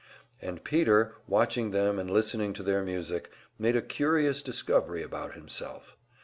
And Peter, watching them and listening to their music, made a curious discovery about himself.